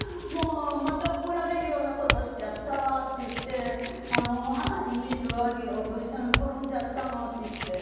「また怒られるような事しちゃったわ」って言って「お花に水をあげようとしたら転んじゃったの」って言って。